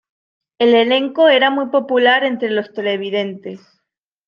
El elenco era muy popular entre los televidentes.